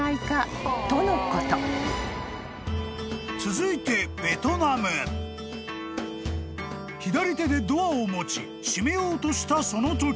［左手でドアを持ち閉めようとしたそのとき］